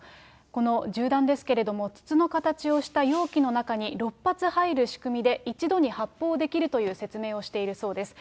この銃弾ですけれども、筒の形をした容器の中に６発入る仕組みで、一度に発砲できるという説明をしているそうです。